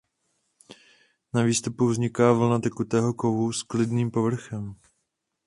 Na výstupu vzniká vlna tekutého kovu s klidným povrchem.